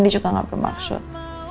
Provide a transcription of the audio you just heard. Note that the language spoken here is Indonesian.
juga gak bermaksud